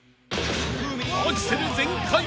［アクセル全開！